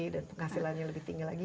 dan penghasilannya lebih tinggi lagi